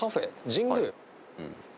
神宮？